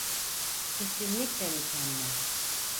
Kesinlikle mükemmel.